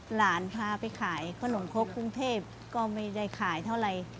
หลานพาไปขายขนมครกกรุงเทพก็ไม่ได้ขายเท่าไร